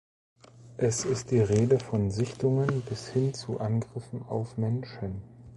Es ist die Rede von Sichtungen bis hin zu Angriffen auf Menschen.